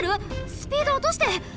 スピードおとして！